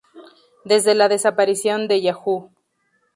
Desde la desaparición de Yahoo!